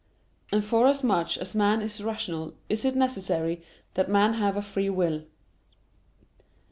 And forasmuch as man is rational is it necessary that man have a free will.